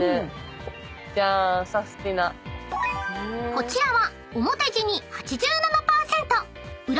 ［こちらは］